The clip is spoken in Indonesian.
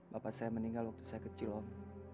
bapak saya meninggal waktu saya kecil om